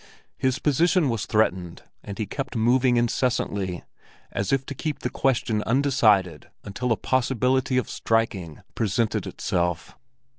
His position was threatened, and he kept moving incessantly, as if to keep the question undecided until a possibility of striking presented itself.